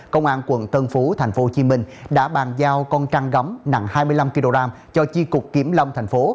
công an quận tân phú tp hcm đã bàn giao con trang gắm nặng hai mươi năm kg cho chi cục kiểm lâm thành phố